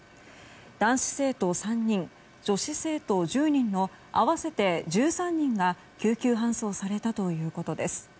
男子生徒３人、女子生徒１０人の合わせて１３人が救急搬送されたということです。